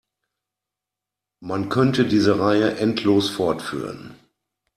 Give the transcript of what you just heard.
Man könnte diese Reihe endlos fortführen.